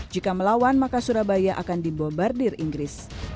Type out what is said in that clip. jika melawan maka surabaya akan dibobardir inggris